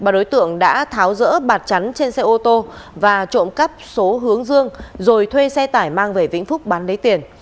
ba đối tượng đã tháo rỡ bạt chắn trên xe ô tô và trộm cắp số hướng dương rồi thuê xe tải mang về vĩnh phúc bán lấy tiền